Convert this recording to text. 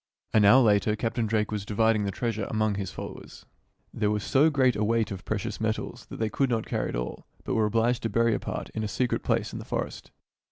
An hour later Captain Drake was . dividing the treasure among his followers. There was so great a weight of precious metals that they could not carry it all, but were obliged to bury a part in a secret place in the forest.